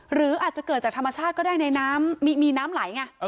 หรืออาจจะเกิดจากธรรมชาติก็ได้ในน้ำมีน้ำไหลไง